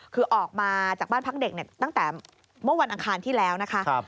คือออกมาจากบ้านพักเด็กตั้งแต่เมื่อวันอังคารที่แล้วนะคะ